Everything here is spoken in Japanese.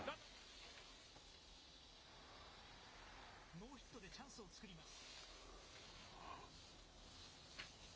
ノーヒットでチャンスを作ります。